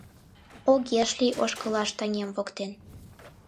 Огеш лий ошкылаш таҥем воктен.